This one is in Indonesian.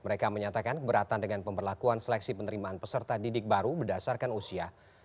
mereka menyatakan keberatan dengan pemberlakuan seleksi penerimaan peserta didik baru berdasarkan usia